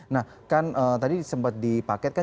nah kan tadi sempat dipaket kan